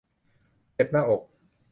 เจ็บหน้าอก